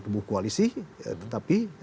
tubuh koalisi tetapi